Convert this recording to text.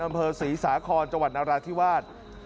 อำเภอศรีสาครจนราธิวาส